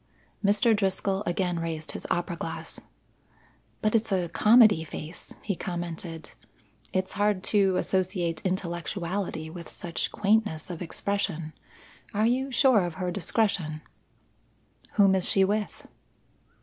Mr. Driscoll again raised his opera glass. "But it's a comedy face," he commented. "It's hard to associate intellectuality with such quaintness of expression. Are you sure of her discretion?" "Whom is she with?"